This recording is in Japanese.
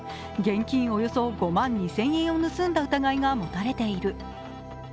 現金およそ５万２０００円を盗んだ疑いが持たれている。